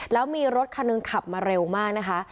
แล้วมีรถคันหนึ่งขับมาเร็วมากนะคะ